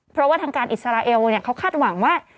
เพราะว่าทางการอิสราเอลเขาคาดหวังว่า